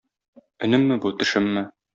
Өнемме бу, төшемме?